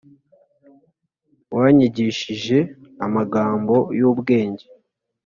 wanyigishije amagambo y'ubwenge